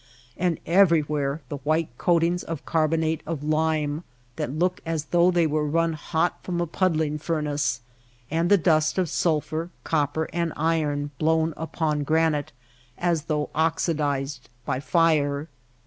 And everywhere the white coatings of carbonate of lime that look as though they were run hot from a puddling fur nace ; and the dust of sulphur, copper, and iron blown upon granite as though oxidized by fire.